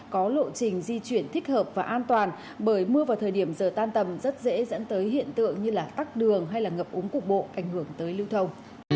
có lộ trình di chuyển thích hợp và an toàn bởi mưa vào thời điểm giờ tan tầm rất dễ dẫn tới hiện tượng như tắc đường hay là ngập úng cục bộ ảnh hưởng tới lưu thông